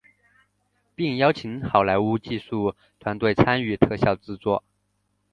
并邀请好莱坞技术团队参与特效制作。